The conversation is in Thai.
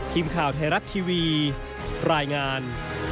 ทีมข่าวไทยรัฐทีวีรายงาน